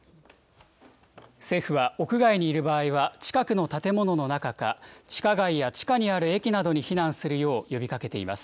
政府は屋外にいる場合は、近くの建物の中か、地下街や地下にある駅などに避難するよう呼びかけています。